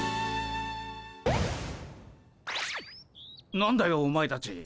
何だよお前たち。